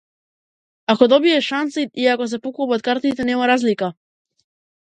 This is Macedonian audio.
Ако добиеш шанса и ако се поклопат картите, нема разлика.